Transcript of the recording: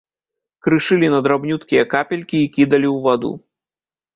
Крышылі на драбнюткія капелькі і кідалі ў ваду.